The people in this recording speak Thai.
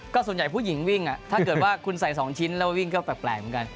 ส่วนใหญ่ผู้หญิงวิ่งถ้าเกิดว่าคุณใส่๒ชิ้นแล้ววิ่งก็แปลกเหมือนกัน